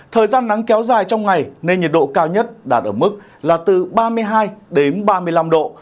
thời gian nắng kéo dài trong ngày nên nhiệt độ cao nhất đạt ở mức là từ ba mươi hai đến ba mươi năm độ